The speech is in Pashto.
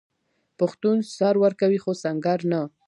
پښتون سر ورکوي خو سنګر نه.